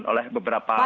oleh beberapa pihak